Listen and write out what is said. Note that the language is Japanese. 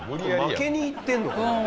負けにいってんのかな。